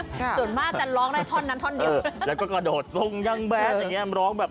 ค่ะส่วนมากจะร้องได้ท่อนนั้นท่อนเดียวแล้วก็กระโดดทรงยังแบดอย่างเงี้ร้องแบบ